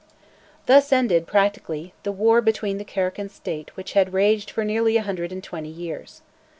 Thus ended, practically, the war between Kirk and State which had raged for nearly a hundred and twenty years.